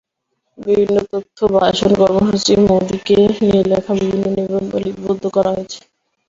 বিভিন্ন তথ্য, ভাষণ, কর্মসূচি, মোদিকে নিয়ে লেখা বিভিন্ন নিবন্ধ লিপিবদ্ধ করা হয়েছে।